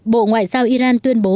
bộ ngoại giao iran tuyên bố